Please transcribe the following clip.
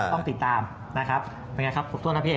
ต้องติดตามเป็นไงครับครบถ้วนครับ